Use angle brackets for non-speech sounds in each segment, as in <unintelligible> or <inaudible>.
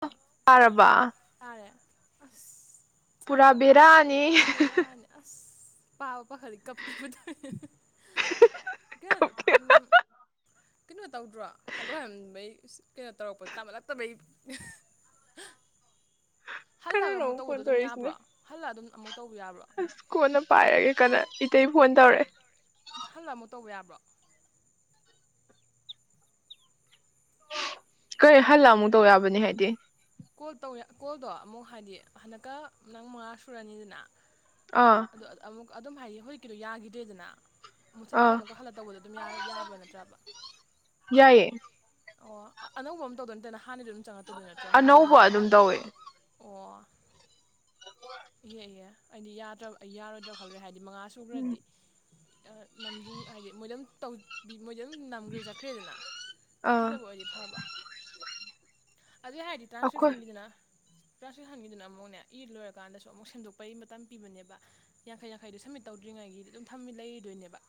ꯄꯥ ꯄꯝ ꯍꯜꯂꯣ ꯄꯥꯔꯕ ꯇꯥꯔꯕꯣ ꯇꯥꯔꯦ ꯑꯁ ꯄꯨꯔꯥ ꯕꯦꯔꯥꯅꯤ ꯕꯦꯔꯥꯅꯤ ꯑꯁ ꯄꯥꯕꯨ ꯄꯥꯈꯠꯂꯤ ꯀꯞꯀꯦꯕꯨ ꯇꯧꯏ ꯒꯟ ꯎꯝ ꯀꯩꯅꯣ ꯇꯧꯗ꯭ꯔꯣ ꯍꯜꯂꯣ ꯍꯥꯏꯃꯟꯕꯩ ꯀꯩꯅꯣ ꯇꯧꯔꯛꯄ ꯇꯥꯃꯜꯂꯛꯇꯕꯩ ꯍꯜꯂꯒ ꯀꯅꯥꯅꯣ ꯑꯃꯨꯛ ꯇꯧꯕꯗꯣ ꯐꯣꯟ ꯑꯗꯨꯝ ꯌꯥꯕ꯭ꯔꯣ ꯇꯧꯔꯛꯏꯁꯤꯅ ꯍꯜꯂ ꯑꯗꯨꯝ ꯑꯃꯨꯛ ꯇꯧꯕ ꯌꯥꯕ꯭ꯔꯣ ꯑꯁ ꯀꯣꯟꯅ ꯄꯥꯏꯔꯒꯦ ꯀꯟꯅꯥ ꯏꯇꯩ ꯐꯣꯟ ꯇꯧꯔꯛꯑꯦ ꯍꯜꯂ ꯑꯃꯨꯛ ꯇꯧꯕ ꯌꯥꯕ꯭ꯔꯣ ꯀꯔꯤ ꯍꯜꯂ ꯑꯃꯨꯛ ꯇꯧ ꯌꯥꯕꯅꯦ ꯍꯥꯏꯗꯤ ꯀꯣꯜ ꯇꯧꯌꯥ ꯀꯣꯜꯗꯣ ꯑꯃꯨꯛ ꯍꯥꯏꯗꯤ ꯍꯟꯗꯛꯀ ꯅꯪ ꯃꯉꯥ ꯁꯨꯔꯅꯤꯗꯅ ꯑꯥ ꯑꯗꯣ ꯑꯃꯨꯛ ꯑꯗꯨꯝ ꯍꯥꯏꯗꯤ ꯍꯧꯖꯤꯛꯀꯤꯗꯣ ꯌꯥꯒꯤꯗ꯭ꯔꯦꯗꯅ ꯃꯨꯠꯊꯠꯂꯒ ꯑꯥ ꯑꯃꯨꯛꯀ ꯍꯜꯂ ꯇꯧꯕꯗꯣ ꯑꯗꯨꯝ ꯌꯥꯔꯦ ꯌꯥꯕ꯭ꯔꯥ ꯅꯠꯇ꯭ꯔꯕ ꯌꯥꯏꯌꯦ ꯑꯣ ꯑꯅꯧꯕ ꯑꯃ ꯇꯧꯗꯣꯏ ꯅꯠꯇꯅ ꯍꯥꯟꯅꯩꯗꯨ ꯑꯗꯨꯝ ꯆꯪꯉ ꯇꯧꯗꯣꯏ ꯅꯠꯇ꯭ꯔꯣ ꯍꯥꯟꯅꯒꯤꯗꯨ ꯅꯨꯅꯝ ꯑꯅꯧꯕ ꯑꯗꯨꯝ ꯇꯧ ꯑꯣ ꯏꯍꯦ ꯏꯍꯦ ꯑꯩꯗꯤ ꯌꯥꯗ꯭ꯔꯕ ꯑꯩ ꯌꯥꯔꯣꯏꯗ꯭ꯔ ꯈꯜꯂꯨꯔꯦ ꯍꯥꯏꯗꯤ ꯃꯉꯥ ꯎꯝ ꯁꯨꯒ꯭ꯔꯗꯤ ꯅꯝꯖꯤꯡ ꯍꯥꯏꯗꯤ ꯃꯣꯏ ꯑꯗꯨꯝꯇꯧ ꯕꯤ ꯃꯣꯏꯗꯤ ꯑꯗꯨꯝ ꯅꯝꯈ꯭ꯔꯦ ꯆꯠꯈ꯭ꯔꯦꯗꯅ ꯑꯥ ꯆꯠꯈꯤꯗꯕ ꯑꯣꯏꯗꯤ ꯐꯕ ꯑꯗꯨꯏ ꯍꯥꯏꯔꯗꯤ ꯑꯩꯈꯣꯏ ꯇ꯭ꯔꯥꯟꯁꯀ꯭ꯔꯤꯞꯁꯟꯒꯤꯗꯅ ꯇ꯭ꯔꯥꯟꯁ꯭ꯀ꯭ꯔꯤꯞꯁꯟꯒꯤꯗꯨꯅꯥ ꯑꯃꯨꯛꯅꯦ ꯏꯂꯣꯏꯔꯀꯥꯟꯗꯁꯨ ꯑꯃꯨꯛ ꯁꯦꯝꯗꯣꯛꯄꯩ ꯃꯇꯝ ꯄꯤꯕꯅꯦꯕ ꯌꯥꯡꯈꯩ ꯌꯥꯡꯈꯩꯗꯣ ꯁꯝꯃꯤꯠ ꯇꯧꯗ꯭ꯔꯤꯉꯩꯒꯤꯗꯤ ꯑꯗꯨꯝ ꯊꯝꯃꯤ ꯂꯩꯔꯤꯗꯣꯏꯅꯦꯕ꯫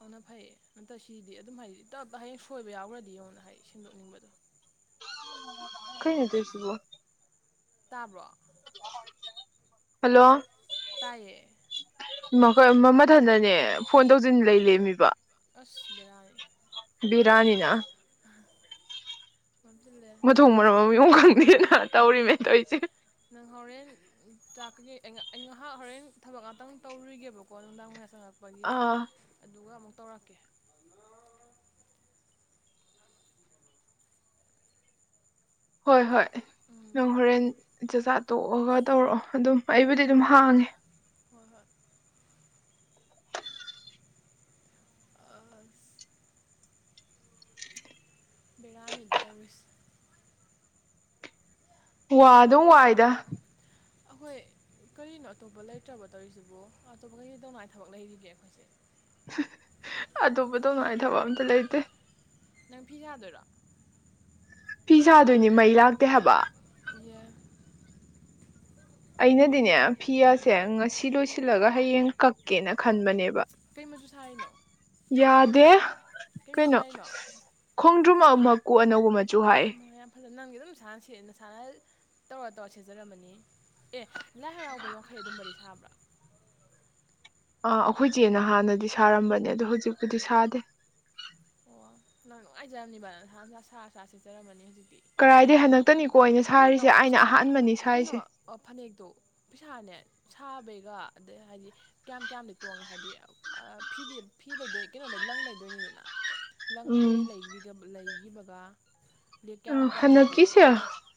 ꯑꯣꯅ ꯐꯩꯌꯦ ꯅꯠꯇ ꯁꯤꯗꯤ ꯑꯗꯨꯝ ꯍꯥꯏꯗꯤ ꯇꯞꯇꯥꯏ ꯍꯌꯦꯡ ꯁꯣꯏꯕ ꯌꯥꯎꯈ꯭ꯔꯗꯤ ꯌꯦꯡꯉ‌ꯣꯅ ꯍꯥꯏ ꯁꯦꯝꯗꯣꯛꯅꯤꯡꯕꯗꯣ꯫ ꯀꯩꯅꯣ ꯇꯧꯏꯁꯤꯕꯨ꯫ ꯇꯥꯕ꯭ꯔꯣ ꯍꯜꯂꯣ ꯇꯥꯏꯌꯦ ꯃꯈꯣꯏ ꯃꯃꯥꯊꯟꯗꯅꯦ ꯐꯣꯟ ꯇꯧꯁꯤꯟ ꯂꯩ ꯂꯦꯝꯃꯤꯕ ꯑꯁ ꯕꯦꯔ‌ꯥꯅ‌ꯦ ꯕꯤꯔꯥꯅꯤꯅ <unintelligible> ꯃꯝꯖꯤꯜꯂ‌ꯦ ꯃꯊꯣꯡ ꯃꯔꯝ ꯑꯝ ꯃꯑꯣꯡ ꯈꯪꯗꯦꯅ ꯇꯧꯔꯤꯃꯦꯗ ꯇꯧꯏꯁꯦ ꯅꯪ ꯍꯣꯔꯦꯟ ꯆꯥꯛꯀꯩꯀꯩ ꯑꯩ ꯉꯥꯏꯍꯥꯛ ꯍꯣꯔꯦꯟ ꯊꯕꯛ ꯉꯥꯛꯇꯪ ꯇꯧꯔꯨꯒꯦꯕꯀꯣ ꯅꯨꯡꯗꯥꯡ ꯋꯥꯏ ꯌꯥꯆꯪꯉꯛ ꯄꯒꯤ ꯑꯥ ꯑꯗꯨꯒ ꯑꯃꯨꯛ ꯇꯧꯔꯛꯀꯦ ꯍꯣꯏ ꯍꯣꯏ ꯎꯝ ꯅꯪ ꯍꯣꯔꯦꯟ ꯆꯥꯛꯆꯥ ꯇꯣꯛꯑꯒ ꯇꯧꯔꯛꯑꯣ ꯑꯗꯨꯝ ꯑꯩꯕꯨꯗꯤ ꯑꯗꯨꯝ ꯍꯥꯡꯉꯦ ꯍꯣꯏ ꯍꯣꯏ ꯑꯁ <unintelligible> ꯕ‌ꯦꯔꯥꯅꯤꯗ ꯇꯧꯔꯤꯁ ꯋꯥꯗꯨꯝ ꯋꯥꯏꯗ ꯑꯩꯈꯣꯏ ꯀꯔꯤꯅꯣ ꯑꯇꯣꯞꯄ ꯂꯩꯇ꯭ꯔꯕ ꯇꯧꯔꯤꯁꯤꯕꯨ ꯑꯇꯣꯞꯄ ꯀꯩꯀꯩ ꯇꯧꯅꯉꯥꯏ ꯊꯕꯛ ꯂꯩꯔꯤꯒꯦ ꯑꯩꯈꯣꯏꯁꯦ ꯑꯇꯣꯞꯄ ꯇꯧꯅꯉꯥꯏ ꯊꯕꯛ ꯑꯝꯇ ꯂꯩꯇꯦ ꯅꯪ ꯐꯤ ꯁꯥꯗꯣꯏꯔꯣ ꯐꯤ ꯁꯥꯗꯣꯏꯅꯤ ꯃꯩ ꯂꯥꯛꯇꯦ ꯍꯥꯏꯕ ꯏꯍꯦ ꯑꯩꯅꯗꯤꯅꯦ ꯎꯝ ꯐꯤꯒꯁꯦ ꯉꯁꯤ ꯂꯣꯏꯁꯤꯜꯂꯒ ꯍꯌꯦꯡ ꯀꯛꯀꯦꯅ ꯈꯟꯕꯅꯦ ꯀꯩ ꯃꯆꯨ ꯁꯥꯔꯤꯅꯣ <unintelligible> ꯌꯥꯗꯦ ꯀꯩ ꯃꯆꯨ ꯀꯩꯅꯣ ꯁꯥꯔꯤꯅꯣ ꯈꯣꯡꯗ꯭ꯔꯨꯝ ꯑ ꯃꯀꯨ ꯑꯅꯧꯕ ꯃꯆꯨ ꯍꯥꯏ ꯍ ꯌꯥꯝ ꯐꯖꯅ ꯅꯪꯗꯤ ꯑꯗꯨꯝ ꯁꯥꯟꯅ ꯁꯦꯠꯅ ꯅꯁꯥꯅ ꯇꯧꯔ ꯇꯧꯔ ꯁꯦꯠꯆꯔꯃꯅꯤ ꯑꯦ ꯂꯥꯏ ꯍꯔꯥꯎꯕꯩ ꯋꯥꯡꯈꯩ ꯑꯗꯨꯝꯕꯗꯤ ꯁꯥꯕ꯭ꯔꯥ ꯑꯥ ꯑꯩꯈꯣꯏꯆꯦꯅ ꯍꯥꯟꯅꯗꯤ ꯁꯥꯔꯝꯕꯅꯦ ꯑꯗꯣ ꯍꯧꯖꯤꯛꯄꯨꯗꯤ ꯁꯥꯗꯦ ꯑꯣ ꯅꯪ ꯅꯨꯡꯉꯥꯏꯖꯔꯝꯅꯤꯕ ꯅꯁꯥꯟ ꯁꯥ ꯁꯥ ꯁꯦꯠꯆꯔꯝꯃꯅꯤ ꯍꯧꯖꯤꯛꯇꯤ ꯀꯔꯥꯏꯗꯩ ꯍꯟꯗꯛꯇꯅꯤꯀꯣ ꯑꯩꯅ ꯁꯥꯔꯤꯁꯦ ꯑꯩꯅ ꯑꯍꯥꯟꯕꯅꯤ ꯁꯥꯏꯁꯦ ꯑꯣ ꯐꯅꯦꯛꯇꯣ ꯄꯩꯁꯥꯅꯦ ꯁꯥꯕꯩꯒ ꯑꯗꯩ ꯍꯥꯏꯗꯤ ꯀꯌꯥꯝ ꯀꯌꯥꯝꯗꯤ ꯇꯣꯡꯉꯦ ꯍꯥꯏꯗꯤ ꯐꯤꯗꯤ ꯐꯤ ꯂꯩꯗꯣꯏ ꯀꯩꯅꯣ ꯂꯪ ꯂꯩꯗꯣꯏꯅꯤꯗꯅ ꯂꯪ ꯀꯩꯀꯩ ꯎꯝ ꯂꯩꯈꯤꯕꯤꯒ ꯂꯩꯈꯤꯕꯒ ꯂ‌ꯦꯝ ꯀꯌꯥꯝ ꯀꯌꯥꯝꯗꯤ ꯂꯦꯝꯃꯦ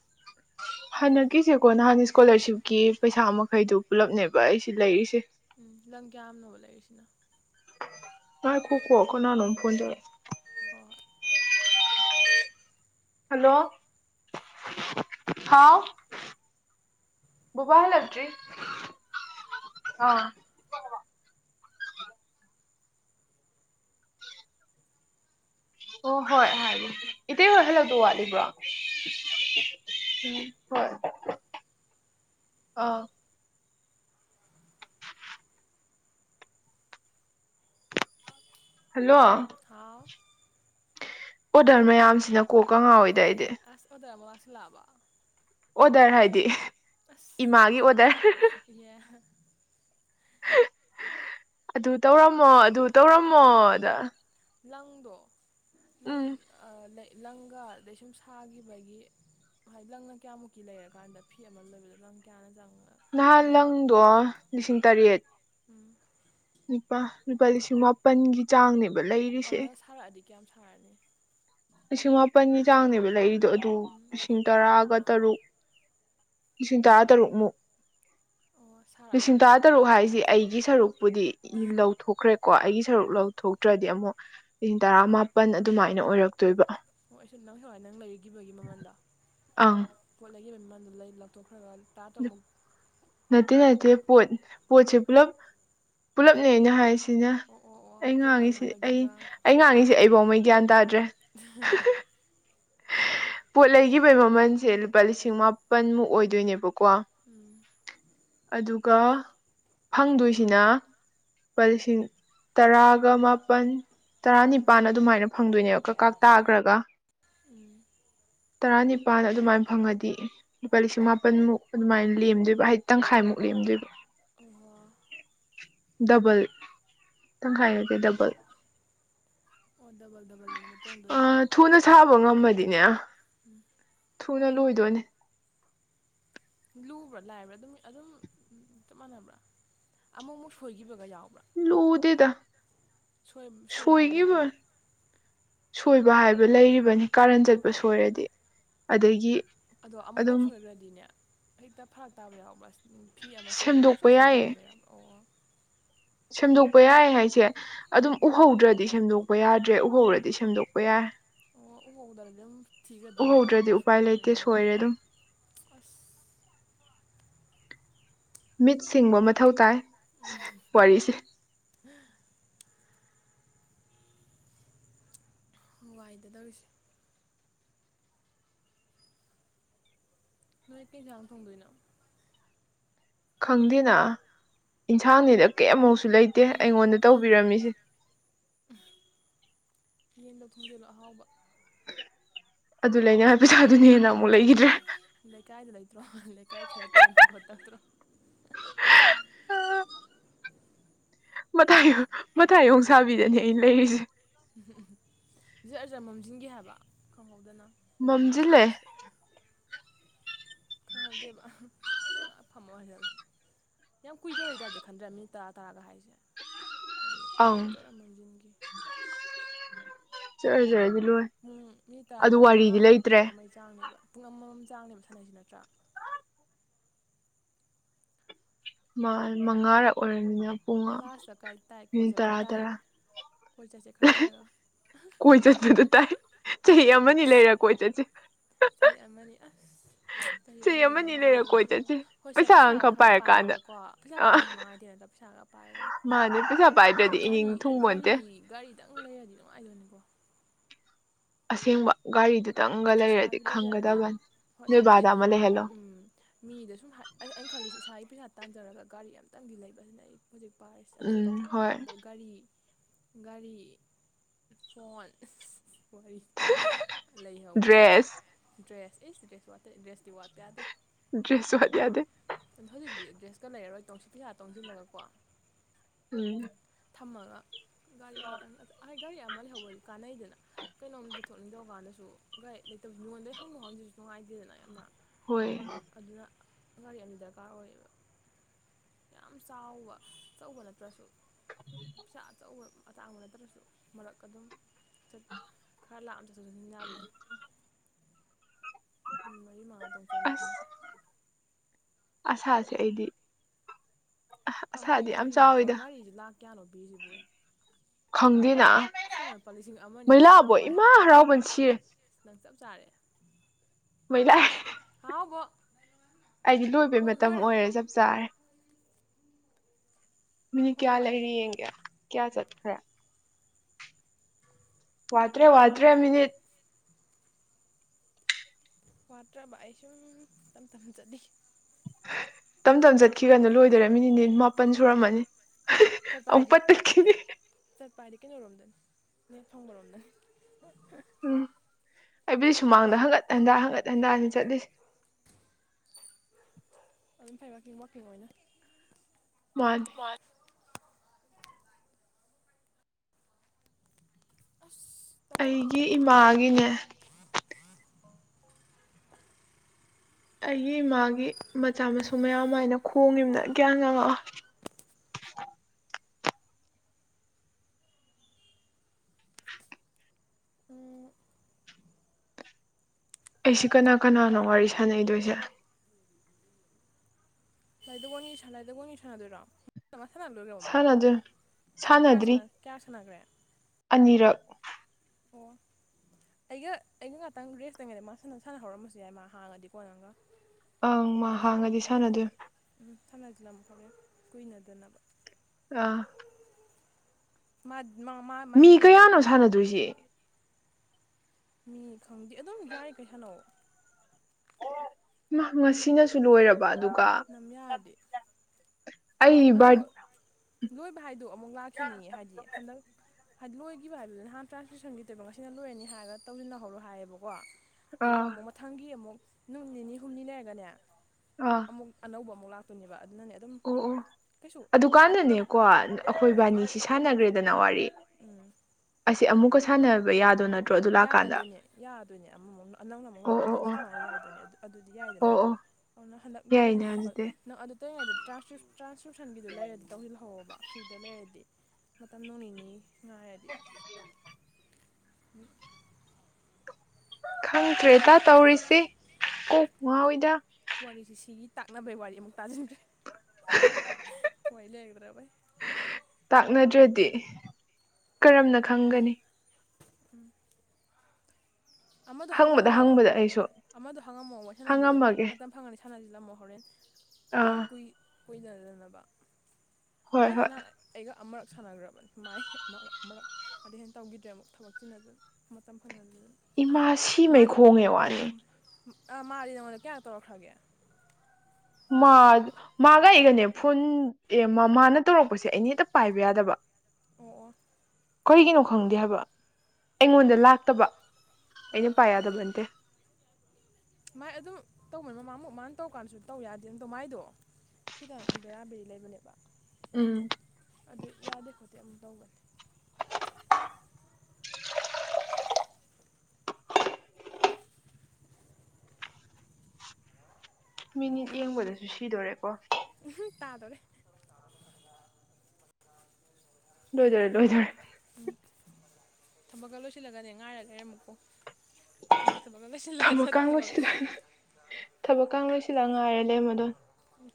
<unintelligible> ꯍꯥꯟꯗꯛꯀꯤꯁꯦꯀꯣ ꯅꯍꯥꯟ ꯏꯁꯀꯣꯂꯥꯔꯁꯤꯞꯀꯤ ꯄꯩꯁꯥ ꯃꯈꯩꯗꯨ ꯄꯨꯜꯂꯞꯅꯦꯕ ꯑꯩꯁꯤ ꯂꯩꯔꯤꯁꯦ ꯎꯝ ꯂꯪ ꯀꯌꯥꯝꯅ‌ꯣꯕ ꯂꯩꯔꯤꯁꯤꯅ ꯉꯥꯏꯈꯣꯀꯣ ꯀꯅꯥꯅꯣꯝ ꯐꯣꯟ ꯇꯧꯔꯛꯑ ꯍꯣꯏ ꯍꯣꯏ ꯍꯜꯂꯣ ꯍꯥꯎ ꯕꯕꯥ ꯍꯜꯂꯛꯇꯔꯤ ꯑꯥ ꯑꯣ ꯍꯣꯏ ꯍꯥꯏꯒ‌ꯦ ꯏꯇꯩ ꯍ‌ꯣꯏ ꯍꯜꯂꯛꯗꯣ ꯋꯥꯠꯂꯤꯕ꯭ꯔꯣ ꯎꯝ <inaudible> ꯑꯥ꯫ ꯍꯜꯂꯣ꯫ ꯍꯥꯎ꯫ ꯑꯣꯗꯔ ꯃꯌꯥꯝꯁꯤꯅ ꯀꯣꯛ ꯀ ꯉꯥꯎꯋꯏꯗ ꯑꯩꯗꯤ꯫ ꯑꯁ ꯑꯣꯗꯔ ꯑꯃꯨꯛ ꯂꯥꯛꯁꯤꯟꯂꯛ ꯑꯕꯣ꯫ ꯑꯣꯗꯔ ꯍꯥꯏꯗꯤ ꯑꯁ ꯏꯃꯥꯒꯤ ꯑꯣꯗꯔ꯫ ꯏꯍꯦ꯫ ꯑꯗꯨ ꯇꯧꯔꯝꯃꯣ ꯑꯗꯨ ꯇꯧꯔꯝꯃꯣ꯫ ꯂꯪꯗꯣ ꯂꯪ ꯎꯝ ꯑꯥ ꯂꯩ꯫ ꯂꯪꯒ ꯑꯗꯩ ꯁꯨꯝ ꯁꯥꯈꯤꯕꯒꯤ ꯍꯥꯏ ꯂꯪꯅ ꯀꯌꯥꯃꯨꯛꯀꯤ ꯂꯩꯔꯀꯥꯟꯗ ꯐꯤ ꯑꯃ ꯂꯣꯏꯕꯗ ꯂꯪ ꯀꯌꯥꯅ ꯆꯪꯉ ꯅꯍꯥꯟ ꯀꯣꯟꯅꯒꯦꯕ ꯂꯪꯗꯣ ꯂꯤꯁꯤꯡ ꯇꯔꯦꯠ ꯎꯝ꯫ ꯂꯨꯄꯥ ꯂꯨꯄꯥ ꯂꯤꯁꯤꯡ ꯃꯥꯄꯟꯒꯤ ꯆꯥꯡꯅꯦꯕ ꯂꯩꯔꯤꯁꯦ꯫ ꯑꯧꯅ ꯁꯥꯔꯛꯑꯗꯤ ꯀꯌꯥꯝ ꯁꯥꯔꯅꯤ꯫ ꯂꯤꯁꯤꯡ ꯃꯥꯄꯟꯒꯤ ꯆꯥꯡꯅꯦꯕ ꯂꯩꯔꯤꯗꯣ ꯑꯗꯨ ꯎꯝ ꯂꯤꯁꯤꯡ ꯇꯔꯥꯒ ꯇꯔꯨꯛ ꯂꯤꯁꯤꯡ ꯇꯔꯥ ꯇꯔꯨꯛꯃꯨꯛ꯫ ꯑꯣ ꯂꯤꯁꯤꯡ ꯇꯔꯥ ꯁꯥꯔꯛꯑꯀꯥꯟꯗꯗꯤ ꯇꯔꯨꯛ ꯍꯥꯏꯁꯤ ꯑꯩꯒꯤ ꯁꯔꯨꯛꯄꯨꯗꯤ ꯂꯧꯊꯣꯛꯈ꯭ꯔꯦꯀꯣ ꯑꯩꯒꯤ ꯁꯔꯨꯛ ꯎꯝ ꯂꯧꯊꯣꯛꯇ꯭ꯔꯗꯤ ꯑꯃꯨꯛ ꯂꯤꯁꯤꯡ ꯇꯔꯥ ꯃꯥꯄꯟ ꯑꯗꯨꯃꯥꯏꯅ ꯑꯣꯏꯔꯛ ꯍꯣꯏ ꯑꯩꯁꯨ ꯅꯪ <unintelligible> ꯅꯪ ꯂꯩꯈꯤꯕꯒꯤ ꯃꯃꯟꯗꯣ꯫ ꯑꯪ ꯄꯣꯠ ꯂꯩꯒꯤꯕꯩ ꯃꯃꯜꯗꯨ ꯂꯣꯏ ꯂꯧꯊꯣꯛꯈ꯭ꯔꯒ ꯇꯥꯔ ꯇꯔꯨꯛ ꯃꯨꯛ ꯅꯠꯇꯦ ꯅꯠꯇꯦ ꯄꯣꯠ ꯄꯣꯠꯁꯦ ꯄꯨꯜꯂꯞ ꯄꯨꯜꯂꯞꯅꯦ ꯑꯩꯅ ꯍꯥꯏꯁꯤ꯫ ꯑꯩꯅ ꯑꯣ ꯑꯣ ꯑꯣ ꯑꯩ ꯄꯣꯠ ꯉꯥꯡꯉꯤꯁꯤ ꯑꯩ ꯂꯩꯕꯒꯤꯒ ꯑꯩ ꯉꯥꯡꯉꯤꯁꯤ ꯑꯩꯐꯥꯎꯃꯩ ꯒ꯭ꯌꯥꯟ ꯇꯥꯗ꯭ꯔꯦ꯫ ꯄꯣꯠ ꯂꯩꯈꯤꯕꯒꯤ ꯃꯃꯜꯁꯦ ꯂꯨꯄꯥ ꯂꯤꯁꯤꯡ ꯑꯪ ꯃꯥꯄꯟꯃꯨꯛ ꯑꯣꯏꯗꯣꯏꯅꯦꯕꯀꯣ꯫ ꯎꯝ꯫ ꯑꯗꯨꯒ ꯐꯪꯗꯣꯏꯁꯤꯅ ꯂꯨꯄꯥ ꯂꯤꯁꯤꯡ ꯇꯔꯥꯒ ꯃꯥꯄꯜ꯫ ꯎꯝ ꯇꯔꯥꯅꯤꯄꯥꯥꯟ ꯑꯗꯨꯃꯥꯏꯅ ꯐꯪꯗꯣꯏꯅꯦꯕ ꯀꯀꯥꯛ ꯇꯥꯒꯔꯒ꯫ ꯎꯝ꯫ ꯇꯔꯥꯅꯤꯄꯥꯜ ꯑꯗꯨꯃꯥꯏꯅ ꯐꯪꯉꯗꯤ꯫ ꯂꯨꯄꯥ ꯂꯤꯁꯤꯡ ꯃꯥꯄꯟꯃꯨꯛ ꯑꯗꯨꯃꯥꯏꯅ ꯂꯦꯝꯗꯣꯏꯕ ꯍꯥꯏꯗꯤ ꯇꯪꯈꯥꯏꯃꯨꯛ ꯂꯦꯝꯗꯣꯏꯕ꯫ ꯎꯍꯣ꯫ ꯗꯕꯜ ꯇꯪꯈꯥꯏ ꯅꯠꯇꯦ ꯗꯕꯜ꯫ ꯑꯣ ꯗꯕꯜ ꯗꯕꯜꯗꯅꯦꯕ ꯑ ꯇꯣꯡꯗꯣꯏꯁꯦ ꯊꯨꯅ ꯁꯥꯕ ꯉꯝꯃꯗꯤꯅꯦ ꯎꯝ ꯊꯨꯅ ꯂꯣꯏꯗꯣꯏꯅꯦ꯫ ꯂꯨꯕ꯭ꯔꯥ ꯂꯥꯏꯕ꯭ꯔꯥ ꯑꯗꯨꯝ ꯑꯗꯨꯝ ꯆꯞ ꯃꯥꯟꯅꯕ꯭ꯔꯥ ꯑꯃꯨꯛ ꯑꯃꯨꯛ ꯁꯣꯏꯈꯤꯕꯒ ꯌꯥꯎꯕ꯭ꯔꯥ꯫ ꯂꯨꯗꯦꯗ ꯁꯣꯏ ꯁꯣꯏꯕ ꯍꯥꯏꯕ ꯁꯨꯏꯒꯤꯕ ꯂꯩꯇꯕ꯭ꯔꯥ ꯁꯣꯏꯕ ꯍꯥꯏꯕ ꯂꯩꯔꯤꯕꯅꯤ ꯀꯥꯔꯟ ꯆꯠꯄ ꯁꯣꯏꯔꯗꯤ ꯑꯗꯒꯤ ꯑꯗꯣ ꯑꯃꯨꯛꯇꯪ ꯑꯗꯨꯝ ꯁꯣꯏꯈ꯭ꯔꯗꯤꯅꯦ ꯍꯦꯛꯇ ꯐꯔꯛ ꯇꯥꯕ ꯌꯥꯎꯕꯔꯁ ꯐꯤ ꯑꯃ ꯁꯣꯏ ꯁꯦꯝꯗꯣꯛꯄ ꯄꯨꯡꯁꯣꯏ ꯌꯥꯏꯌꯦ ꯁꯣꯏꯈꯤꯕꯒ ꯌꯥꯝ ꯑꯣ ꯁꯦꯝꯗꯣꯛꯄ ꯌꯥꯏ ꯍꯥꯏꯁꯦ ꯑꯗꯨꯝ ꯎꯍꯧꯗ꯭ꯔꯗꯤ ꯁꯦꯝꯗꯣꯛ ꯄꯌꯥꯗ꯭ꯔꯦ ꯎꯍꯧꯔꯗꯤ ꯁꯦꯝꯗꯣꯛꯄ ꯌꯥꯏ꯫ ꯑꯣ ꯎꯕꯧꯗꯔꯗꯤ ꯑꯗꯨꯝ ꯊꯤꯒ꯭ꯔꯗꯣꯏꯅꯦꯕ ꯎꯍꯧꯗ꯭ꯔꯗꯤ ꯎꯄꯥꯏ ꯂꯩꯇꯦ ꯁꯣꯏꯈ꯭ꯔꯗꯣꯏꯅꯦꯕ ꯁꯣꯏꯔꯦ ꯑꯗꯨꯝ ꯑꯁ꯫ ꯃꯤꯠ ꯁꯤꯡꯕ ꯃꯊꯧ ꯇꯥꯏ ꯋꯥꯔꯤꯁꯦ꯫ ꯋꯥꯏꯗ ꯇꯧꯔꯤꯁꯦ꯫ ꯅꯣꯏ ꯀꯩ ꯏꯟꯁꯥꯡ ꯊꯣꯡꯗꯣꯏꯅꯣ꯫ ꯈꯪꯗꯦꯅ ꯌꯦꯟꯁꯥꯡꯅꯤꯗ ꯀꯔꯤꯃꯧꯁꯨ ꯂꯩꯇꯦ ꯑꯩꯉꯣꯟꯗ ꯇꯧꯕꯤꯔꯝꯃꯤꯁꯤ꯫ ꯌꯦꯟꯇꯣꯛ ꯊꯣꯡꯖꯤꯟꯂꯨ ꯑꯍꯥꯎꯕ꯫ ꯑꯗꯨ ꯂꯩꯅꯤꯉꯥꯏ ꯄꯩꯁꯥꯗꯨꯅ ꯍꯦꯟꯅ ꯑꯃꯨꯛ ꯂꯩꯈꯤꯗ꯭ꯔꯦ꯫ ꯂꯩꯀꯥꯏꯗ ꯂꯩꯇ꯭ꯔꯣ ꯂꯩꯀꯥꯏ ꯈꯔ ꯆꯦꯟꯕ ꯈꯣꯠꯇꯛꯇ꯭ꯔꯣ ꯃꯊꯥꯏ ꯃꯊꯥꯏ ꯌꯣꯡꯁꯕꯤꯗꯅꯦ ꯑꯩ ꯂꯩꯔꯤꯁꯦ ꯎꯝ ꯎꯝ ꯎꯝ ꯁꯤꯖ ꯑꯖ ꯃꯝꯁꯤꯟꯒꯦ ꯍꯥꯏꯕ ꯈꯪꯍꯧꯗꯅ ꯍꯣꯏ ꯉꯍꯥꯛ ꯃꯝꯁꯤꯜꯂꯦ ꯁꯥꯕꯁꯤꯗ ꯈꯪꯍꯧꯗꯦꯕ ꯑꯍ ꯐꯝꯃꯣ ꯍꯥꯏꯖꯕꯁ ꯌꯥꯝ ꯀꯨꯏꯗꯧꯣꯏꯇꯥꯔꯗꯤ ꯈꯟꯗ꯭ꯔꯦ ꯃꯤ ꯇꯔꯥ ꯇꯔꯥꯒ ꯍꯥꯏꯁꯦ ꯖꯔꯥ ꯃꯥꯡꯖꯤꯟꯒ ꯆꯔ ꯆꯔꯗꯤ ꯂꯣꯏ ꯄꯨꯡ ꯃꯤ ꯇꯔꯥ ꯑꯗꯨ ꯋꯥꯔꯤꯗꯤ ꯇꯔꯥꯃꯉꯥꯥꯛꯇ ꯂꯩꯇ꯭ꯔꯦ ꯄꯨꯡ ꯑꯃꯒꯤ ꯆꯥꯡꯅꯦꯕ ꯄꯨꯡ ꯑꯃꯃꯝ ꯆꯥꯡꯅꯦꯕ ꯁꯥꯟꯅꯩꯁꯤ ꯅꯠꯇ꯭ꯔꯥ ꯃꯉꯥꯔꯛ ꯑꯣꯏꯔꯕꯅꯤꯅ ꯄꯨꯡ ꯂꯥꯁꯇ ꯀꯥꯏ ꯇꯥꯏ ꯀꯣꯏ ꯃꯤꯅꯤꯠ ꯇꯔꯥ ꯆꯠꯄꯗ ꯇꯥꯔꯛꯑꯦ ꯇꯔꯥ ꯀꯣꯏ ꯆꯠꯁꯦ ꯈꯔ ꯂꯩꯔꯒ ꯀꯣꯏ ꯆ ꯅꯗ ꯇꯥꯏ ꯆꯍꯤ ꯑꯃꯅꯤ ꯂꯩꯔ ꯀꯣꯏ ꯆꯠꯁꯤ ꯍꯍ ꯑ ꯆꯍꯤ ꯑꯃꯥ ꯑꯅꯤ ꯑꯃꯨꯛ ꯑꯃꯅꯤ ꯂꯩꯔ ꯀꯣꯏ ꯉꯥꯏꯒꯤꯗꯣꯏꯗꯣ ꯆꯠꯁꯦ ꯍꯣꯏꯁꯦ ꯄꯩꯁꯥ ꯄꯩꯁꯥꯒ ꯑꯃꯈꯛ ꯈꯔ ꯄꯥꯏꯔꯀꯥꯟꯗ ꯄꯥꯏꯔꯒꯀꯣ ꯄꯩꯁꯥ ꯑꯥ ꯄꯥꯏꯗꯁꯨ ꯃꯉꯥꯏꯗꯦ ꯅꯠꯇ ꯄꯩꯁꯥꯒ ꯄꯥꯏꯔꯒ ꯃꯥꯅꯦ ꯄꯩꯁꯥ ꯄꯥꯏꯗ꯭ꯔꯗꯤ ꯏꯅꯤꯡ ꯒꯥꯔꯤ ꯊꯨꯡꯄꯣꯟꯇꯦ ꯒꯥꯔꯤ ꯒꯥꯔꯤꯗꯪ ꯂꯩꯔꯗꯤ ꯅꯨꯡꯉꯥꯏꯗꯣꯏꯅꯤꯀꯣ ꯑꯁꯦꯡꯕ ꯒꯥꯔꯤꯗꯨꯇꯪꯒ ꯂꯩꯔꯗꯤ ꯏꯁꯥꯒꯤ ꯂꯩꯖꯔꯗꯤ ꯈꯪꯒꯗꯕꯅꯤ ꯅꯣꯏꯕꯥꯗ ꯑꯃ ꯂꯩꯍꯜꯂꯣ ꯎꯝ ꯃꯤꯗ ꯁꯨꯝ ꯑꯩꯅ ꯈꯜꯂꯤꯁꯤꯦ ꯏꯁꯥꯒꯤ ꯄꯩꯁꯥ ꯇꯥꯟꯖꯔꯒ ꯒꯥꯔꯤ ꯑꯇꯪꯗꯤ ꯂꯩꯕꯕꯁꯤꯅ ꯑꯩ ꯍꯧꯖꯤꯛ ꯄꯥꯔꯤꯁꯦ ꯑꯇꯣꯞꯄ ꯎꯝ ꯀꯌꯥꯝ ꯍꯣꯏ ꯄꯥꯗ ꯒꯥꯔꯤ ꯒꯥꯔꯤ ꯐꯣꯟ ꯋꯥꯔꯤ ꯍꯦꯍꯦꯍꯦ ꯂꯩꯍꯧꯕꯁꯤ ꯗ꯭ꯔꯦꯁ ꯑꯦꯁ ꯗ꯭ꯔꯦꯁ ꯋꯥꯠꯠꯇꯦ ꯗ꯭ꯔꯦꯁꯇꯤ ꯋꯥꯠꯄ ꯀ ꯌꯥꯗꯦ ꯗ꯭ꯔꯦꯁꯨꯋꯥꯗꯤꯗꯦ ꯁ ꯍꯧꯖꯤꯛꯇꯤ ꯗ꯭ꯔꯦꯁꯀ ꯂꯩꯔꯔꯣꯏ ꯇꯣꯡꯁꯤ ꯄꯩꯁꯥ ꯇꯣꯡꯖꯤꯜꯂꯒꯀꯣ ꯎꯝ ꯊꯝꯃꯒ ꯒꯥꯔꯤ ꯑꯝꯇꯪ ꯑꯩꯍ ꯒꯥꯔꯤ ꯑꯃ ꯂꯩꯍꯧꯕꯗꯤ ꯀꯥꯟꯅꯩꯗꯅ ꯀꯩꯅꯣꯝꯗ ꯊꯣꯛꯅꯤꯡꯗꯧ ꯀꯥꯟꯗꯁꯨ ꯁꯨ ꯒ ꯂꯩꯇꯕꯁꯨ ꯃꯤꯉꯣꯟꯗꯩ ꯍꯪꯉꯨ ꯍꯪꯗꯁꯨ ꯅꯨꯡꯉꯥꯏꯗꯦꯗꯅ ꯌꯥꯝꯅ ꯍꯣꯏ ꯑꯗꯨꯅ ꯒꯥꯔꯤ ꯑꯗꯨ ꯗꯔꯀꯥꯔ ꯑꯣꯏꯌꯦꯕ ꯌꯥꯝ ꯆꯥꯎꯕ ꯑꯆꯧꯕ ꯅꯠꯇ꯭ꯔꯁꯨ ꯑꯆꯧꯕ ꯑꯇꯥꯡꯕ ꯅꯠꯇ꯭ꯔꯁꯨ ꯃꯔꯛ ꯑꯗꯨꯝ ꯈꯔ ꯂꯥꯛ ꯑꯝꯇꯁꯨ ꯑꯗꯨꯝ ꯌꯥꯕꯤ ꯑ ꯃꯤ ꯃꯔꯤ ꯃꯉꯥꯗꯪ ꯆꯟꯕ ꯑꯁ ꯑꯃ ꯑꯁꯥꯁꯦ ꯑꯩꯗꯤ ꯑꯩꯍꯣꯏ ꯑꯁꯥꯗꯤ ꯌꯥꯝ ꯒꯥꯔꯤ ꯆꯥꯎꯋꯤꯗ ꯒꯥꯔꯤꯁꯤ ꯂꯥꯛ ꯀꯌꯥꯅꯣ ꯄꯤꯁꯤꯕꯣ ꯈꯪꯗꯦꯅ꯫ ꯁꯣꯅ ꯂꯨꯄꯥ ꯂꯤꯁꯤꯡ ꯑꯃ ꯑꯅꯤꯒꯤ ꯁꯨꯛ ꯌꯥꯝ ꯃꯩꯂꯥꯕꯣ ꯋꯥꯏ ꯏꯃꯥ ꯍꯔꯥꯎꯕꯅ ꯁꯤꯔꯦ ꯅꯪ ꯆꯞ ꯆꯥꯔꯦ ꯃꯂ ꯍꯥꯎꯕꯣ ꯑꯩꯗꯤ ꯂꯣꯏꯕꯩ ꯍꯣꯏ ꯃꯇꯝ ꯂꯣꯏꯔꯦ ꯑꯣꯏꯔꯦ ꯆꯞ ꯆꯥꯔꯦ ꯃꯤꯅꯤ ꯍꯣꯏ ꯀꯌꯥ ꯍꯣꯏ ꯂꯩꯔꯤ ꯌꯦꯡꯒꯦ ꯀꯌꯥ ꯆꯠꯈ꯭ꯔꯦ ꯋꯥꯇ꯭ꯔꯦ ꯋꯥꯇ꯭ꯔꯦ ꯃꯤꯅꯤꯠ꯫ ꯋꯥꯠꯇ꯭ꯔꯕ ꯑꯩ ꯁꯨꯝ ꯏ ꯇꯝ ꯇꯝ ꯆꯂꯤ ꯇꯝ ꯇꯞ ꯆꯠꯈꯤꯒꯅꯨ ꯂꯣꯏꯗꯣꯏꯔꯦ ꯃꯤꯅꯤꯠ ꯃꯥꯄꯜ ꯁꯨꯔꯝꯃꯅꯤ꯫ ꯍꯤꯍꯤ ꯎꯝ ꯆꯠꯄ ꯑꯃꯨꯛ ꯍꯥꯏꯗꯤ ꯄꯠ ꯇꯠꯈꯤꯅꯤ ꯆꯠꯄ ꯍꯥꯏꯗꯤ ꯀꯩꯅꯣꯔꯣꯝꯗꯅꯤ ꯅꯦꯠ ꯐꯪꯕꯔꯣꯝꯗꯅꯤ ꯎꯝ ꯑꯩꯕꯨꯗꯤ ꯁꯨꯃꯥꯡꯗ ꯍꯪꯒꯠ ꯍꯟꯗ ꯍꯟꯒꯠ ꯍꯟꯗꯥꯅꯤ ꯆꯠꯂꯤꯁꯦ ꯑꯗꯨꯝ ꯐꯩ ꯋꯥꯛꯀꯤꯡ ꯋꯥꯛꯀꯤꯡ ꯑꯣꯏꯅ꯫ ꯃꯅꯤ ꯋꯥ ꯑꯁ ꯇꯃꯣ ꯑꯩꯒꯤ ꯑꯣꯀꯥꯟ ꯏꯃꯥꯒꯤꯅꯦ ꯍ ꯑꯩꯒꯤ ꯏꯃꯥꯒꯤ ꯃꯆꯥ ꯃꯁꯨ ꯃꯌꯥꯝ ꯍꯥꯏꯅ ꯈꯣꯡꯉꯤꯕꯅ ꯒ꯭ꯌꯥꯟ ꯉꯥꯡꯉꯛꯑꯣ ꯎꯝ ꯑꯩꯁꯤ ꯀꯅꯥ ꯀꯅꯥꯅꯣ ꯋꯥꯔꯤ ꯁꯥꯟꯅꯩꯗꯣꯏꯁꯦ꯫ ꯂꯥꯏꯗꯕꯅꯤ ꯁ ꯂꯥꯏꯗꯒꯅꯤ ꯁꯥꯟꯅꯗꯣꯏꯔꯥ ꯁꯥꯟꯅ ꯂꯣꯏꯒꯦꯕꯃꯥꯒ ꯁꯥꯟꯅꯗꯣꯏ ꯁ ꯀꯌꯥ ꯁꯥꯟꯅꯗ꯭ꯔꯤ ꯁꯥꯟꯅ ꯁꯥꯟꯅꯈ꯭ꯔꯦ ꯑꯅꯤꯔꯛ꯫ ꯑꯣ ꯑꯩꯒ ꯑꯩꯅ ꯉꯥꯛꯇꯪ ꯔꯦꯁ ꯇꯧꯉꯩꯗ ꯃꯥ ꯁꯥꯟꯅꯍꯧꯔꯝꯃꯁꯨ ꯌꯥꯏ ꯃꯥ ꯍꯥꯡꯉꯗꯤꯀꯣ ꯅꯪꯒ꯫ ꯑꯪ ꯃꯥ ꯍꯥꯡꯉꯗꯤ ꯁꯥꯟꯅꯗꯣꯏ ꯊꯝꯅ ꯂꯝ ꯃꯈ ꯐꯦ ꯀꯨꯏꯅꯗꯟꯅꯅꯕ ꯑ ꯃꯥ ꯃꯥꯥꯏ ꯁꯥꯟꯅꯈ꯭ꯔꯕꯣ ꯀꯥꯟꯅꯗꯣꯏꯁꯦ ꯃꯤ ꯈꯪꯗꯦ ꯑꯗꯨꯝ ꯌꯥꯔꯤ ꯀꯩ ꯁꯥꯟꯅꯧ꯫ ꯉꯁꯤꯅꯁꯨ ꯂꯣꯏꯔꯕ ꯑꯗꯨꯒ ꯅꯝꯌꯥꯔꯗꯦ ꯑꯩ ꯑꯗꯣ ꯕꯥꯔꯠ ꯂꯣꯏꯕ ꯍꯥꯏꯗꯣ ꯑꯃꯨꯛ ꯂꯥꯛꯈꯤꯅꯤ ꯍꯥꯏꯗꯤ ꯍꯟꯗꯛ ꯍꯥꯏꯗꯤ ꯂꯣꯏꯈꯤꯕ ꯍꯥꯏꯕꯗꯨꯗꯤ ꯅꯍꯥꯟ ꯇ꯭ꯔꯥꯟꯁꯃꯤꯁꯟꯒꯤ ꯉꯁꯤꯅ ꯂꯣꯏꯔꯅꯤ ꯍꯥꯏꯔꯒ ꯇꯧꯁꯤꯟꯅꯍꯧꯂꯣ ꯍꯥꯏꯌꯦꯕꯀꯣ ꯑꯗꯨꯒ ꯑꯥ ꯑꯃꯨꯛ ꯃꯊꯪꯒꯤ ꯑꯃꯨꯛ ꯅꯨꯠ ꯅꯤꯅꯤ ꯍꯨꯝꯅꯤ ꯂꯩꯔꯒꯅꯦ ꯑꯥ ꯑꯃꯨꯛ ꯑꯅꯧꯕ ꯑꯃꯨꯛ ꯂꯥꯛꯄ ꯑꯗꯨꯅꯦꯕ ꯑꯗꯨꯅꯅꯦ ꯑꯗꯨꯝ ꯑꯣ ꯑꯣ ꯀꯩꯁꯨ ꯍꯦꯛ ꯄꯨꯂꯞ ꯑꯗꯨꯀꯥꯟꯗꯅꯦꯀꯣ ꯑꯩꯈꯣꯏ ꯏ ꯎꯝ ꯕꯥꯅꯤꯁꯤ ꯁꯥꯟꯅꯈ꯭ꯔꯦꯗꯅ ꯋꯥꯔꯤ ꯎꯝ ꯑꯁꯤ ꯑꯃꯨꯛꯀ ꯁꯥꯟꯅꯕ ꯌꯥꯗꯣ ꯅꯠꯇ ꯌꯥꯔꯗꯣꯏꯅꯦ ꯌꯥꯗꯣꯏꯅꯦ ꯑꯃꯃꯨꯛ ꯅꯧꯅ ꯑꯃꯨꯛ ꯂꯥꯛ ꯑꯣ ꯑꯣ ꯑꯣ ꯑꯗꯨꯃꯥꯏꯅ ꯌꯥꯗꯣꯏꯅꯦ ꯑꯗꯨ ꯑꯗꯨꯗꯤ ꯌꯥꯏꯗꯅ ꯑꯣ ꯑꯣ ꯑꯗꯨꯅ ꯍꯟꯗꯛ ꯂꯣꯏꯔꯁꯨ ꯌꯥꯏꯅꯦ ꯑꯇꯣꯞꯄ ꯑꯗꯨꯗꯤ ꯅꯪ ꯑꯗꯨ ꯇꯩꯅꯉꯩꯗ ꯇ꯭ꯔꯥꯟꯁꯀ꯭ꯔꯤꯞꯁꯟꯒꯤꯗꯨꯣ ꯂꯩꯔꯗꯤ ꯇꯧꯁꯤꯜꯍꯧꯕ ꯐ꯭ꯔꯤꯗ ꯂꯩꯔꯗꯤ ꯃꯇꯝ ꯅꯣꯡ ꯅꯤꯅꯤ ꯉꯥꯏꯔꯗꯤ ꯎ ꯈꯪꯗ꯭ꯔꯦꯗ ꯇꯧꯔꯤꯁꯤ ꯀꯣꯛꯄꯨ ꯉꯥꯎꯏꯗ ꯋꯥꯔꯤꯁꯤ ꯁꯤꯒꯤ ꯇꯥꯛꯅꯕꯩ ꯋꯥꯔꯤ ꯑꯃꯨꯛ ꯇꯥꯁꯤꯟꯗ꯭ꯔꯦ ꯋꯥꯔꯤ ꯂꯩꯒꯗ꯭ꯔꯕꯩ ꯇꯥꯛꯅꯗ꯭ꯔꯗꯤ ꯀꯔꯝꯅ ꯈꯪꯒꯅꯤ꯫ ꯎꯝ ꯑꯃꯗꯣ ꯍꯪꯕꯗ ꯍꯪꯉꯝꯃꯣ ꯍꯪꯕꯗ ꯑꯩꯁꯨ ꯑꯃꯗꯣ ꯍꯪꯉꯝꯃꯣ ꯋꯥꯔꯤ ꯁꯥꯟꯅꯕꯗꯣ ꯍꯪꯉꯝꯃꯒꯦ ꯃꯇꯝ ꯐꯪꯉꯥꯅꯤ ꯁꯥꯟꯅꯁꯤꯜꯂꯝꯃꯣ ꯍꯣꯔꯦꯟ꯫ ꯎ ꯑꯥ ꯀꯨꯏꯅꯗꯅꯕ ꯍꯣꯏ ꯍꯣꯏ ꯃꯥꯏꯁꯤꯅ ꯑꯩꯒ ꯑꯃꯨꯔꯛ ꯁꯥꯟꯅꯈ꯭ꯔꯕꯅꯤ ꯃꯥꯏ ꯑꯃꯛ ꯑꯃꯛ ꯑꯗꯨꯗꯤꯩ ꯍꯦꯟꯅ ꯇꯧꯈꯤꯗ꯭ꯔꯦ ꯑꯃꯨꯛ ꯊꯕꯛ ꯆꯤꯟꯅꯖ ꯃꯆꯝ ꯐꯪꯅꯁꯤ ꯏꯃꯥꯁꯤ ꯃꯥꯗꯤ ꯃꯥꯗꯤ ꯅꯪꯉꯣꯟꯗ ꯀꯌꯥꯔꯛ ꯇꯧꯔꯛꯈ꯭ꯔꯒꯦ꯫ ꯃꯥꯒ ꯏꯒꯅꯦ ꯐꯣꯟ ꯑꯦ ꯃꯥꯅ ꯇꯧꯔꯛꯄꯁꯦ ꯑꯩꯅ ꯍꯦꯛꯇ ꯄꯥꯏꯕ ꯌꯥꯗꯕ ꯑꯣ ꯑꯣ ꯀꯔꯤꯒꯤꯅꯣ ꯈꯪꯗꯦ ꯍꯥꯏꯕ ꯑꯣ ꯑꯩꯉꯣꯟꯗ ꯂꯥꯛꯇꯕ ꯑꯩꯅ ꯑꯣ ꯄꯥꯏ ꯌꯥꯗꯕ ꯅꯠꯇꯦ ꯃꯥꯏ ꯑꯗꯨꯝ ꯇꯧꯕꯅꯤ ꯃꯃꯥꯡ ꯃꯛ ꯃꯥꯅ ꯇꯧ ꯀꯥꯟꯗꯁꯨ ꯇꯧ ꯌꯥꯗꯦ ꯑꯝꯇꯣ ꯃꯥꯏꯗꯣ ꯈꯤꯇꯪ ꯕꯦꯔꯥꯕꯕꯦꯔꯤ ꯂꯩꯕꯅꯦꯕ ꯎꯝ ꯑꯗꯨ ꯌꯥꯗꯦ ꯈꯣꯠꯇꯦ ꯑꯃꯨꯛ ꯇꯧꯒꯅꯤ ꯃꯤꯅꯤꯠ ꯌꯦꯡꯕꯗꯁꯨ ꯁꯤꯗꯣꯔꯦꯀꯣ ꯇꯥꯗꯔꯦ <unintelligible> ꯂꯣꯏꯗꯣꯏꯔꯦ ꯂꯣꯏꯗꯣꯏꯣꯔꯦ ꯎꯝ ꯊꯕꯛꯀ ꯂꯣꯏꯁꯤꯜꯂꯒꯅꯦ ꯉꯥꯏꯔꯒꯦ ꯑꯃꯨꯛꯀꯣ ꯆꯁꯤ ꯇꯧꯔꯛ ꯇ ꯊꯕꯛ ꯀꯥꯡꯁꯤꯗ ꯉꯥꯏ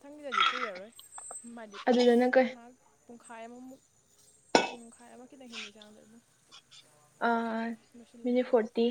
ꯊꯪꯕꯤꯗꯗꯤ ꯀꯨꯏꯔꯔꯣꯏ ꯃꯗꯤꯞ ꯑꯗꯨꯗꯅ ꯀꯩ ꯃꯍꯥꯛꯥꯛ ꯄꯨꯡꯈꯥꯏ ꯑꯃꯃꯨꯛ ꯄꯨꯡꯈꯥꯏ ꯑꯃ ꯈꯤꯇꯪ ꯍꯦꯟꯗꯣꯏ ꯆꯥꯗꯣꯏꯅ ꯑꯥ ꯃꯤꯅꯤ ꯐꯣꯔꯇꯤ